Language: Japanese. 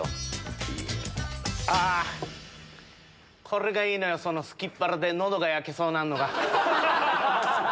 これがいいのよそのすきっ腹で喉が焼けそうになんのが。